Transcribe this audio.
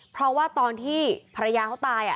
เพราะว่าตอนที่ภรรยาเขาตาย